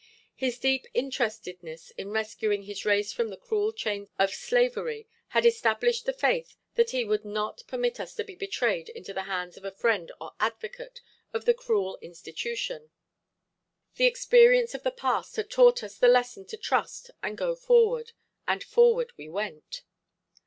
His deep interestedness in rescuing his race from the cruel chains of slavery, had established the faith that he would not permit us to be betrayed into the hands of a friend or advocate of the cruel institution. The experience of the past had taught us the lesson to trust and go forward, and forward we went.